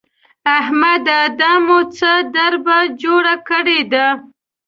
احمده! دا مو څه دربه جوړه کړې ده؟!